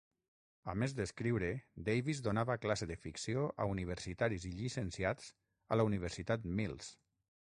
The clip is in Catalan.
A més d'escriure, Davis donava classe de ficció a universitaris i llicenciats a la Universitat Mills.